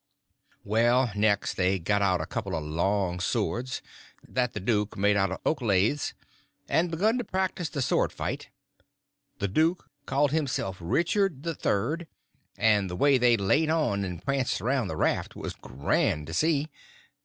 Well, next they got out a couple of long swords that the duke made out of oak laths, and begun to practice the sword fight—the duke called himself Richard III.; and the way they laid on and pranced around the raft was grand to see.